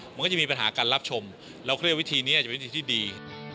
มันก็จะมีปัญหาการรับชมเราก็เรียกวิธีนี้อาจจะเป็นวิธีที่ดี